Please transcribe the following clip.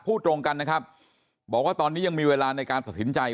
พูดตรงกันนะครับบอกว่าตอนนี้ยังมีเวลาในการตัดสินใจ